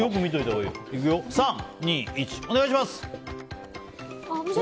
３、２、１、お願いします！